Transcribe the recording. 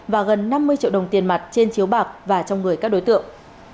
và gần năm mươi triệu đồng tiền mặt trên chiếu bạc và trong người các đối tượng